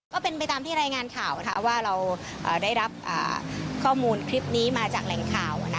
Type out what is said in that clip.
ก็เป็นไปตามที่รายงานข่าวว่าเราได้รับข้อมูลคลิปนี้มาจากแหล่งข่าว